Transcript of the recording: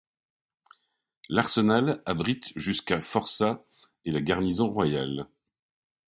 L'arsenal abrite jusqu'à forçats et la garnison royale.